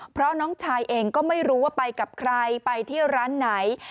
เพราะน้องชายเองก็ไม่รู้ว่าไปกับใครไปที่ร้านไหน